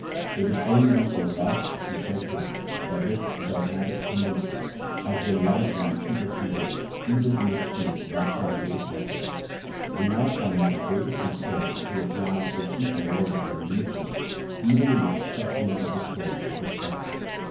It is only in the last few decades that this dogmatic tendency has been largely super seded even in the school by scientific methods ; we now find a greater concern to apply the chief laws of evolu tion even in the discussion of the soul of the child.